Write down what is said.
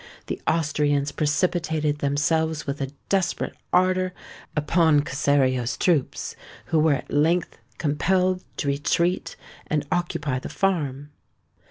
The Austrians precipitated themselves with a desperate ardour upon Cossario's troops, who were at length compelled to retreat and occupy the farm.